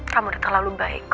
kamu udah terlalu baik